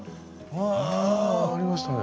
ああありましたね。